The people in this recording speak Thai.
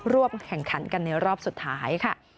ร่วมแข่งขันกันในรอบสุดท้ายค่ะ